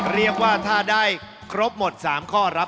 เรียกว่าถ้าได้ครบหมด๓ข้อรับ